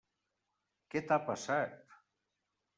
Què t'ha passat?